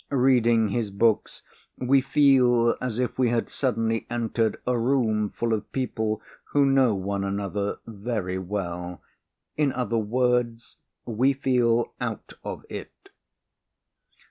Reading his books, we feel as if we had suddenly entered a room full of people who know one another very well. In other words, we feel out of it."